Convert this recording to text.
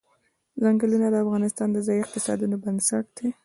ځنګلونه د افغانستان د ځایي اقتصادونو بنسټ دی.